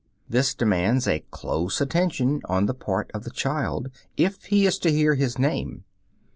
This demands a close attention on the part of the child, if he is to hear his name.